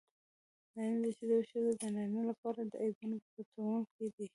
نارینه د ښځې او ښځه د نارینه لپاره د عیبونو پټوونکي دي.